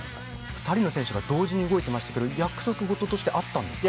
２人の選手が同時に動いていましたが約束事としてあったんですか？